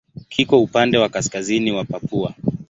Kiko upande wa kaskazini wa Papua.